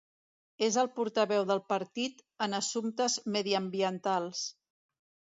És el portaveu del partit en assumptes mediambientals.